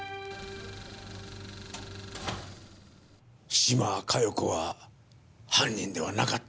島加代子は犯人ではなかったんだな。